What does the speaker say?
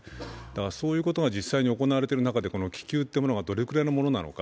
そういうことが実際に行われている中で、気球というものがどれくらいのものなのか。